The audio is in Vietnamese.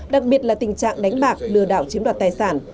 đặc biệt là tình trạng đánh bạc lừa đảo chiếm đoạt tài sản